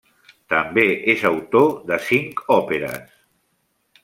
També és autor de cinc òperes.